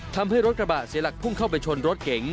ทำให้รถกระบะเสียหลักพุ่งเข้าไปชนรถเก๋ง